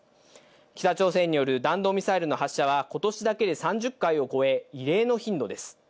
北朝鮮による弾道ミサイルの発射は、ことしだけで３０回を超え、異例の頻度です。